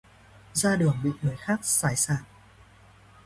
Ra đường bị người ta xài xạc